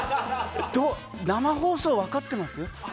生放送分かってます？